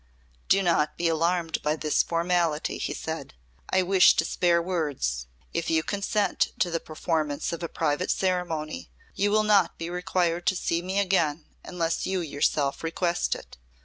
"Do not be alarmed by this formality," he said. "I wish to spare words. If you consent to the performance of a private ceremony you will not be required to see me again unless you yourself request it.